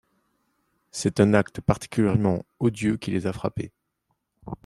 C’est un acte particulièrement odieux qui les a frappés.